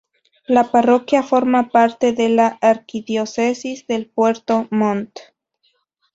La parroquia forma parte de la Arquidiócesis de Puerto Montt.